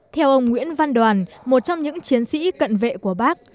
theo ông nguyễn văn đoàn một trong những chiến sĩ cận vệ của bác